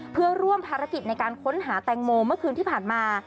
เพื่อร่วมภารกิจในการค้นหาแตงโมเมื่อคืนที่ผ่านมา